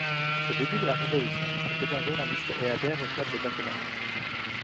Au début de la Révolution, il devient journaliste et adhère au club des Jacobins.